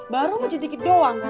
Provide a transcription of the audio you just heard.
baru mencintikin doang